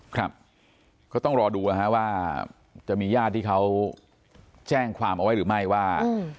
ครับก็ต้องรอดูนะฮะว่าจะมีญาติที่เขาแจ้งความเอาไว้หรือไม่ว่า